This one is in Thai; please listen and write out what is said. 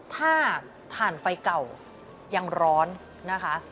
ถ้าถ่านไฟเก่ายังร้อนนะคะ